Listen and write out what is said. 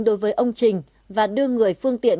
đối với ông trình và đưa người phương tiện